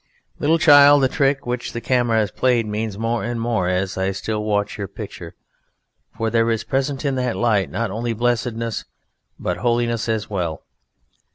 Little child, the trick which the camera has played means more and more as I still watch your picture, for there is present in that light not only blessedness, but holiness as well.